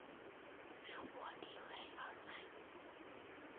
圣波迪韦尔奈。